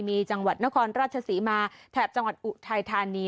มีจังหวัดนครราชศรีมาแถบจังหวัดอุทัยธานี